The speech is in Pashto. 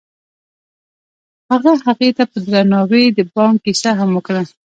هغه هغې ته په درناوي د بام کیسه هم وکړه.